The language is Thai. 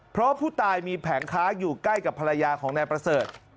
เพราะผู้ตายมีแผงค้าอยู่ใกล้กับภรรยาของนายประเสริฐ